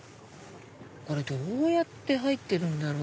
これどうやって入ってるんだろう？